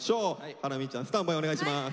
ハラミちゃんスタンバイお願いします。